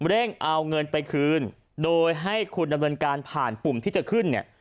เร่งเอาเงินไปคืนโดยให้คุณดำเนินการผ่านปุ่มที่จะขึ้นเนี่ย